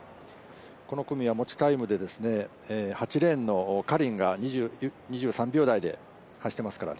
この組は持ちタイムで８レーンのカレンが２３秒台で走ってますから。